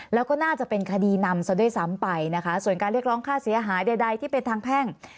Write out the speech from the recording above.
แล้วก็น่าจะเป็นคดีนำซะด้วยซ้ำไปนะคะส่วนการเรียกร้องค่าเสียหายใดที่เป็นทางแพ่ง